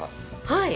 はい。